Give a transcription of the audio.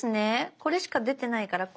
これしか出てないからこれ。